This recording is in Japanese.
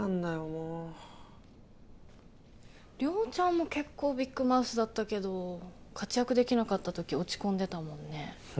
もう亮ちゃんも結構ビッグマウスだったけど活躍できなかった時落ち込んでたもんね